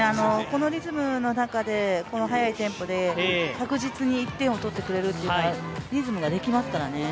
このリズムの中で、この速いテンポの中で、確実に１点を取ってくれるというのはリズムができますからね。